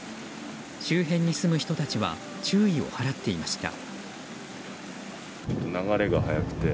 周辺に住む人たちは注意を払っていました。